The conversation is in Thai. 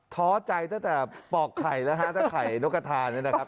ท้อใจตั้งแต่ปอกไข่แล้วฮะถ้าไข่นกกระทานเนี่ยนะครับ